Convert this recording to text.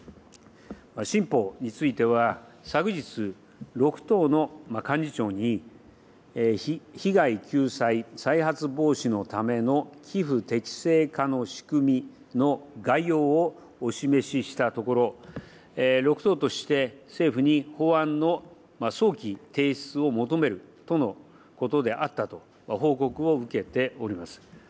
新法については、昨日、６党の幹事長に被害救済・再発防止のための寄付適正化の仕組みの概要をお示ししたところ、６党として政府に法案の早期提出を求めるとのことであったと報告を受けております。